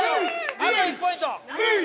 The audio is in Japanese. あと１ポイント。